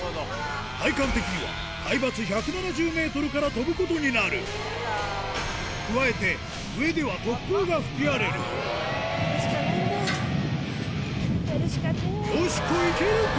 体感的には海抜１７０ｍから跳ぶことになる加えて上では突風が吹き荒れるよしこいけるか？